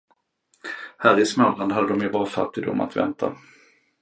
Här i Småland hade de ju bara fattigdom att vänta.